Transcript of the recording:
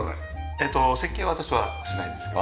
えっと設計は私はしないんですけど。